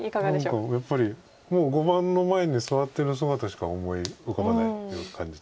何かやっぱり碁盤の前に座ってる姿しか思い浮かばないっていう感じです。